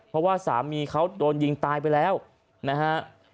เพราะว่าสามีเขาโดนยิงตายไปแล้วนะฮะ